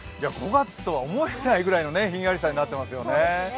５月とは思えないくらいのひんやりさになってますよね。